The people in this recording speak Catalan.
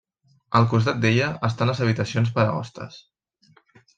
Al costat d'ella estan les habitacions per a hostes.